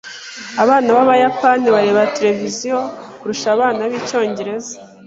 Abana b'Abayapani bareba televiziyo kurusha abana b'icyongereza. .